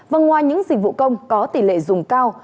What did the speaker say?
và ngoài những dịch vụ công có tỷ lệ dùng cao